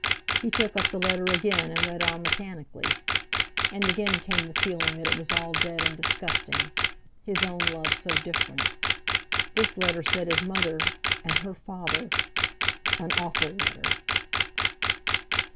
He took up the letter again, and read on mechanically. And again came the feeling that it was all dead and disgusting; his own love so different! This letter said his mother—and her father! An awful letter!